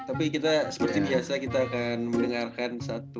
tapi kita seperti biasa kita akan mendengarkan satu